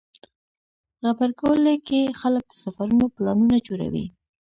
غبرګولی کې خلک د سفرونو پلانونه جوړوي.